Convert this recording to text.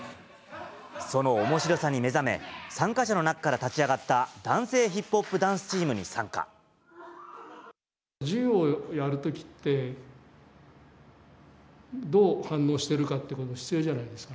そのおもしろさに目覚め、参加者の中から立ち上がった、授業をやるときって、どう反応してるかってことが必要じゃないですか。